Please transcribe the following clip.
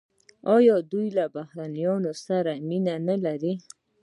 آیا دوی له بهرنیانو سره مینه نلري؟